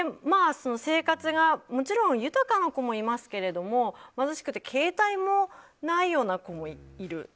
生活が、もちろん豊かな子もいますけれども貧しくて携帯もないような子もいる。